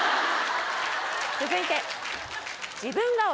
続いて。